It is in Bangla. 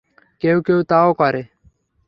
কেউ কেউ তাও করে।